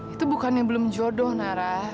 itu bukannya belum jodoh nara